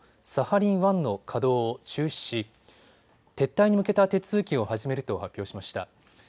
サハリン１の稼働を中止し撤退に向けた手続きを始めると発表しました。